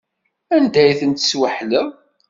Anda ay tent-tesweḥleḍ?